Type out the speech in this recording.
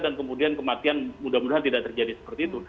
dan kemudian kematian mudah mudahan tidak terjadi seperti itu